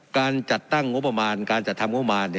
การจัดตั้งงบประมาณการจัดทำงบประมาณ